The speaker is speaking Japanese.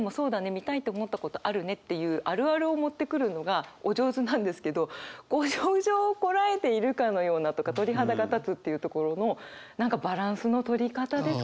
見たいと思ったことあるねっていうあるあるをもってくるのがお上手なんですけど「ご不浄をこらえているかのような」とか「鳥肌が立つ」っていうところの何かバランスの取り方ですかね。